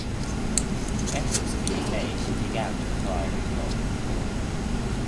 Efforts are being made to dig out the fiery coal.